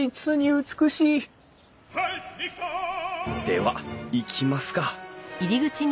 では行きますか。